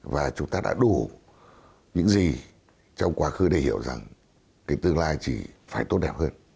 và chúng ta đã đủ những gì trong quá khứ để hiểu rằng cái tương lai chỉ phải tốt đẹp hơn